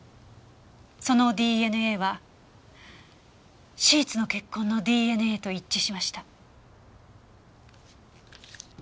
そのＤＮＡはシーツの血痕のＤＮＡと一致しました。